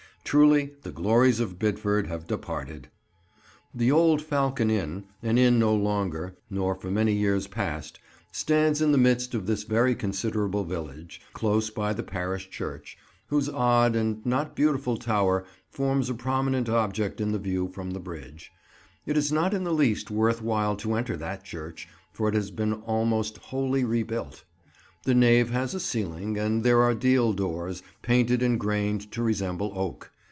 Truly, the glories of Bidford have departed! [Picture: "Drunken Bidford"] The old "Falcon" inn, an inn no longer, nor for many years past, stands in the midst of this very considerable village, close by the parish church, whose odd and not beautiful tower forms a prominent object in the view from the bridge. It is not in the least worth while to enter that church, for it has been almost wholly rebuilt. The nave has a ceiling, and there are deal doors, painted and grained to resemble oak.